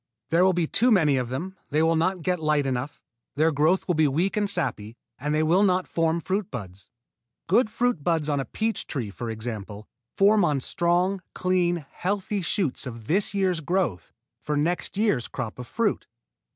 There will be too many of them, they will not get light enough, their growth will be weak and sappy, and they will not form fruit buds. Good fruit buds on a peach tree, for example, form on strong, clean, healthy shoots of this year's growth for next year's crop of fruit.